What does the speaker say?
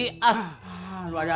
lu ada ada aja sih